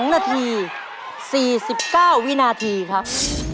๒นาที๔๙วินาทีครับ